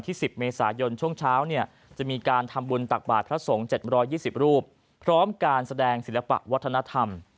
๑๐เมษายนช่วงเช้าเนี่ยจะมีการทำบุญตักบาทพระสงฆ์๗๒๐รูปพร้อมการแสดงศิลปะวัฒนธรรม